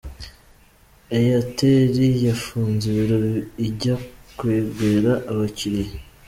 eyateli yafunze ibiro ijya kwegera abakiliya